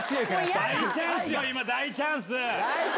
大チャンスよ、今、大チャンス。